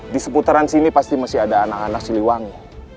di seputaran sini pasti masih ada anak anak siliwangi